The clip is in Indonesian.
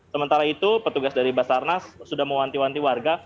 sementara itu petugas dari basarnas sudah mewanti wanti warga